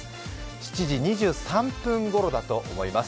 ７時２３分ごろだと思います。